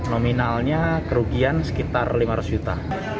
nominalnya kerugian sekitar lima ratus juta